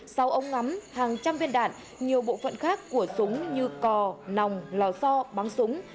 sau ống ngắm hàng trăm viên đạn nhiều bộ phận khác của súng như cò nòng lò so bắn súng